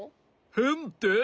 へんって？